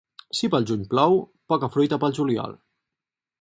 Si pel juny plou, poca fruita pel juliol.